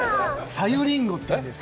さゆりんごというんです。